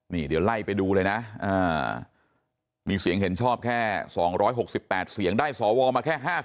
นี่เดี๋ยวไล่ไปดูเลยนะมีเสียงเห็นชอบแค่๒๖๘เสียงได้สวมาแค่๕๐